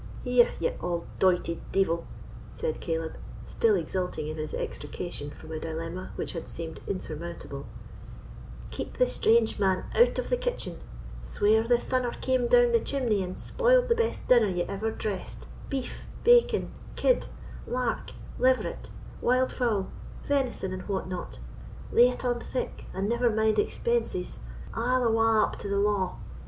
"Here, ye auld doited deevil," said Caleb, still exulting in his extrication from a dilemma which had seemed insurmountable; "keep the strange man out of the kitchen; swear the thunner came down the chimney and spoiled the best dinner ye ever dressed—beef—bacon—kid—lark—leveret—wild fowl—venison, and what not. Lay it on thick, and never mind expenses. I'll awa' up to the la'.